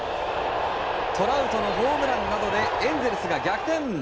トラウトのホームランなどでエンゼルスが逆転。